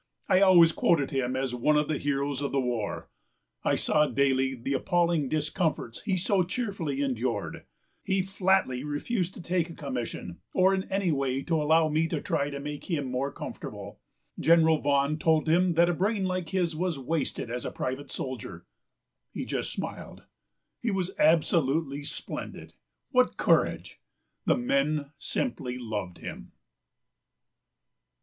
"I always quoted him as one of the heroes of the war. I saw daily the appalling discomforts he so cheerfully endured. He flatly refused to take a commission or in any way to allow me to try to make him more comfortable. General Vaughan told him that a brain like his was wasted as a private soldier. He just smiled. He was absolutely splendid. What courage! The men simply loved him."